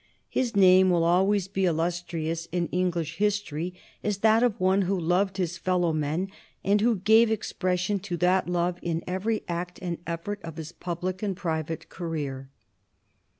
His name will always be illustrious in English history as that of one who loved his fellow men and who gave expression to that love in every act and effort of his public and private career.